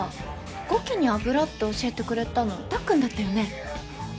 ゴキに油って教えてくれたのたっくんだったよね？